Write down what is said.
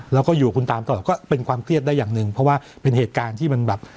แล้วก็อยู่กับคุณตามตลอดก็เป็นความเครียดได้อย่างหนึ่งเพราะว่าเป็นเหตุการณ์ที่มันแบบ